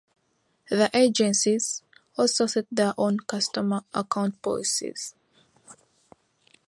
The agencies also set their own customer account policies.